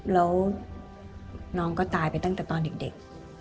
แล้วน้องก็ตายไปตั้งแต่ตอนเด็ก